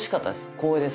光栄です